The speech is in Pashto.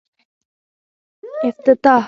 افتتاح